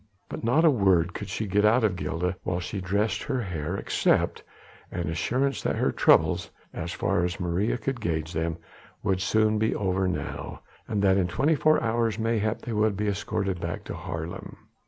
But not a word could she get out of Gilda while she dressed her hair, except an assurance that their troubles as far as Maria could gauge them would soon be over now, and that in twenty four hours mayhap they would be escorted back to Haarlem.